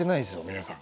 皆さん。